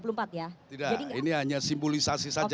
enggak ini hanya simplisasi saja